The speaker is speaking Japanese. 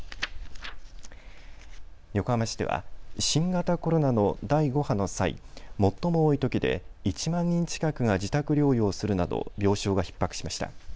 横浜市では新型コロナの第５波の際、最も多いときで１万人近くが自宅療養するなど病床がひっ迫しました。